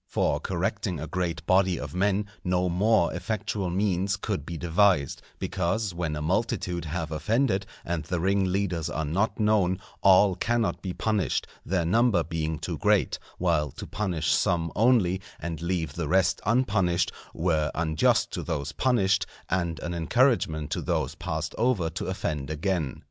For correcting a great body of men no more effectual means could be devised; because, when a multitude have offended and the ringleaders are not known, all cannot be punished, their number being too great; while to punish some only, and leave the rest unpunished, were unjust to those punished and an encouragement to those passed over to offend again.